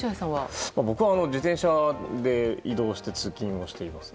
僕は自転車で移動して通勤しています。